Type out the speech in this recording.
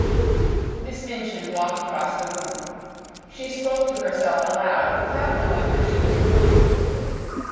Miss Minchin walked across the room. She spoke to herself aloud without knowing that she was doing it.